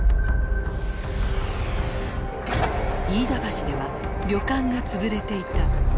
飯田橋では旅館が潰れていた。